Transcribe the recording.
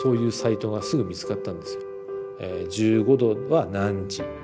「１５°は何時」